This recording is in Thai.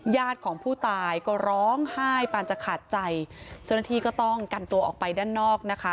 ญาติของผู้ตายก็ร้องไห้ปานจะขาดใจเจ้าหน้าที่ก็ต้องกันตัวออกไปด้านนอกนะคะ